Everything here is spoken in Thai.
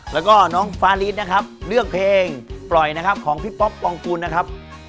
แล้วก็น้องฟาริสนะครับเลือกเพลงปล่อยนะครับของพี่ป๊อปปองกูลนะครับ